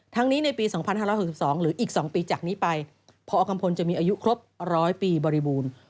นี้ในปี๒๕๖๒หรืออีก๒ปีจากนี้ไปพอกัมพลจะมีอายุครบ๑๐๐ปีบริบูรณ์